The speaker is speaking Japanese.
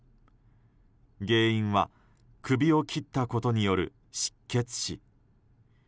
原因は首を切ったことによる失血死。